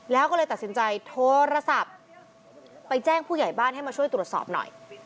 แล้วก็เลยตัดสินใจโทรศัพท์ไปแจ้งผู้ใหญ่บ้านให้มาช่วยตรวจสอบหน่อย